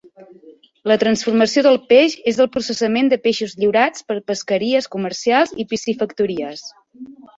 La transformació del peix és el processament de peixos lliurats per pesqueries comercials i piscifactories.